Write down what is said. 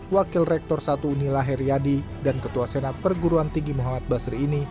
wakil rektor satu unila heriadi dan ketua senat perguruan tinggi muhammad basri ini